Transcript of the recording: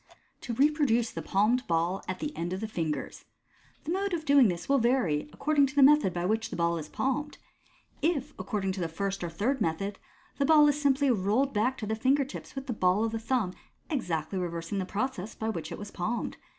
2. To Reproduce the Palmed Ball at the End of th*, Fingers. — The mode of doing this will vary according to the method by which the ball is palmed. If accord ing to the first or third method, the ball is simply rolled back to the finger tips with the ball of the thumb, exactly reversing the process by which it was palmed.